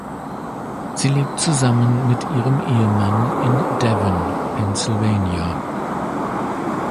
Sie lebt zusammen mit ihrem Ehemann in Devon (Pennsylvania).